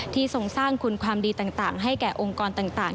ทรงสร้างคุณความดีต่างให้แก่องค์กรต่าง